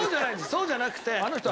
そうじゃなくて。